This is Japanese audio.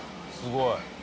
すごい。